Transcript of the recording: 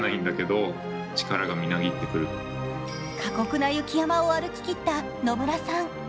過酷な雪山を歩ききった野村さん。